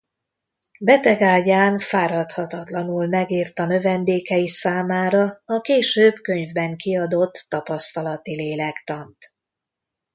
Betegágyán fáradhatatlanul megírta növendékei számára a később könyvben kiadott tapasztalati lélektant.